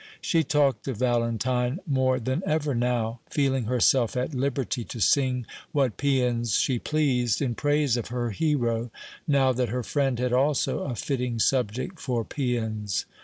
She talked of Valentine more than ever now, feeling herself at liberty to sing what pæans she pleased in praise of her hero, now that her friend had also a fitting subject for pæans.